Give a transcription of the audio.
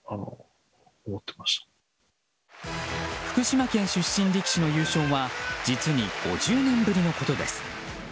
福島県出身力士の優勝は実に５０年ぶりのことです。